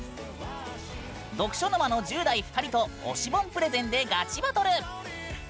読書沼の１０代２人と推し本プレゼンでガチバトル。